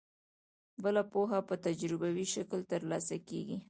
بله پوهه په تجربوي شکل ترلاسه کیږي.